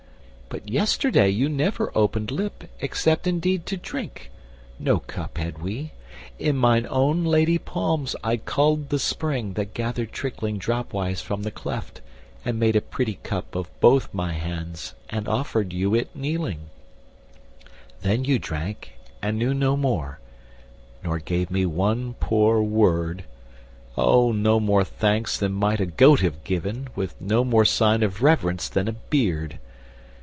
But yesterday you never opened lip, Except indeed to drink: no cup had we: In mine own lady palms I culled the spring That gathered trickling dropwise from the cleft, And made a pretty cup of both my hands And offered you it kneeling: then you drank And knew no more, nor gave me one poor word; O no more thanks than might a goat have given With no more sign of reverence than a beard.